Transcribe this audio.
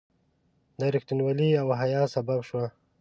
دا رښتینولي او حیا سبب شوه.